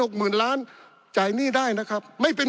ปี๑เกณฑ์ทหารแสน๒